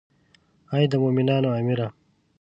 ای د مومنانو امیره.